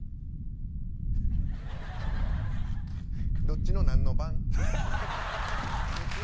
どっちのなんの番？